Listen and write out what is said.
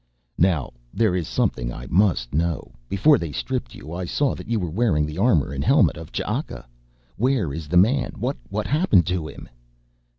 Now there is something I must know. Before they stripped you I saw that you were wearing the armor and helmet of Ch'aka. Where is the man what happened to him?"